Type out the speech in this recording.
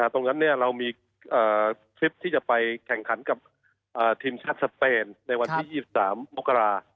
ตรงนั้นเรามีทริปที่จะไปแข่งขันกับทีมชาติสเปนในวันที่๒๓มกรา